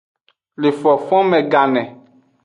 Le fonfonme gane.